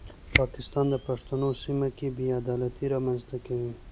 پاکستان د پښتنو سیمه کې بې عدالتي رامنځته کوي.